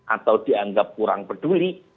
atau dianggap kurang peduli